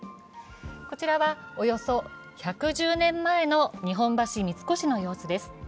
こちらはおよそ１１０年前の日本橋三越の様子です。